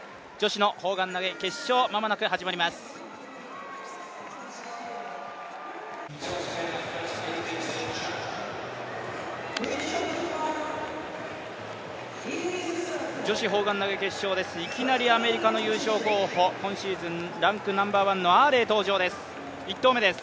女子砲丸投決勝です、いきなりアメリカの優勝候補、今シーズンのランクナンバーワンアーレイ登場です。